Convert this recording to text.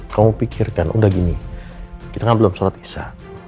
kamu pikirkan udah gini kita kan belum sholat isya